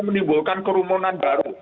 menimbulkan kerumunan baru